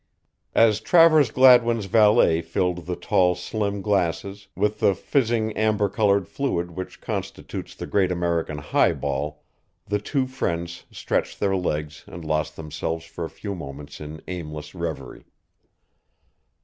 As Travers Gladwin's valet filled the tall, slim glasses with the fizzing amber colored fluid which constitutes the great American highball, the two friends stretched their legs and lost themselves for a few moments in aimless reverie.